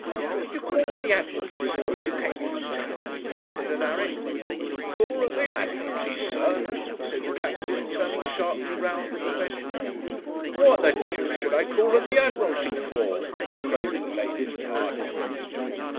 'Did you call at the Admiralty, sir, as you came through town?' said Alaric. 'Call at the Admiralty, sir!' said the captain, turning sharply round at the questioner; 'what the deuce should I call at the Admiralty for? craving the ladies' pardon.'